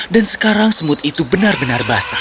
dan sekarang semut itu benar benar basah